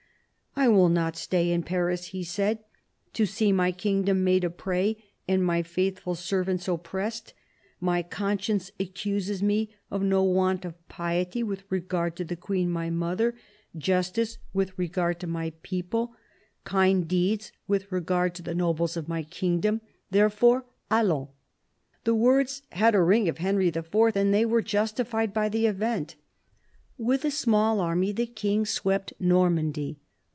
" I will not stay in Paris," he said, " to see my kingdom made a prey and my faithful servants oppressed. ... My conscience accuses me of no want of piety with regard to the Queen my mother, justice with regard to my people, 124 CARDINAL DE RICHELIEU kind deeds with regard to the nobles of my kingdom. Therefore, allons !" The words had a ring of Henry IV., and they were justified by the event. With a small army the King swept Normandy.